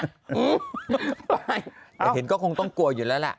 ไม่แต่เห็นก็คงต้องกลัวอยู่แล้วล่ะ